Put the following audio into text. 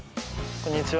こんにちは。